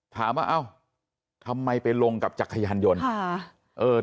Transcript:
ถามว่าเอ้าทำไมไปลงกับจักรยานยนต์